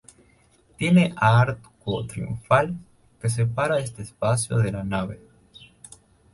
Tiene arco triunfal, que separa este espacio del de la nave.